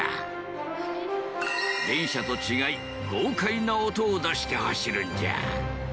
電車と違い豪快な音を出して走るんじゃ。